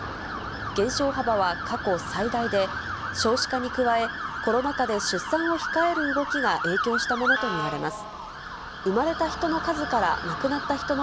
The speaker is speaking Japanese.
減少幅は過去最大で、少子化に加え、コロナ禍で出産を控える動きが影響したものと見られます。